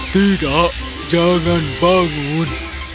tidak jangan bangun